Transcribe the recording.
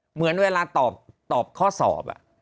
เหมือนเวลาตอบข้อสอบ